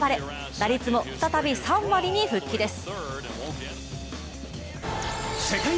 打率も再び３割に復帰です。